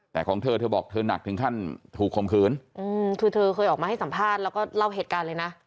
แต่ของเธอเธอบอกเธอหนักถึงขั้นถูกข่มขืนคือเธอเคยออกมาให้สัมภาษณ์แล้วก็เล่าเหตุการณ์เลยนะ